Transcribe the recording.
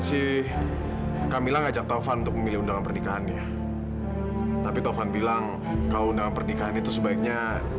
sampai jumpa di video selanjutnya